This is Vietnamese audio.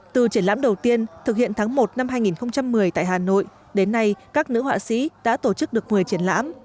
từ triển lãm đầu tiên thực hiện tháng một năm hai nghìn một mươi tại hà nội đến nay các nữ họa sĩ đã tổ chức được một mươi triển lãm